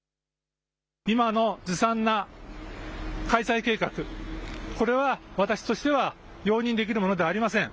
今のずさんな開催計画、これは私としては容認できるものではありません。